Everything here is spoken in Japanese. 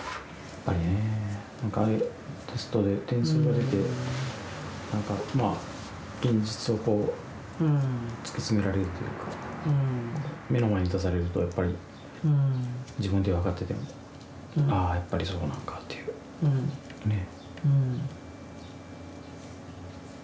やっぱりね、なんかああいうテストで点数が出て、なんかまあ、現実をこう、突きつけられるというか、目の前に出されると、やっぱり自分では分かってても、あー、やっぱりそうなんかっていう、ねぇ。